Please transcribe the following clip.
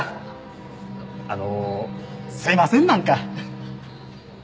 あのすいません何か。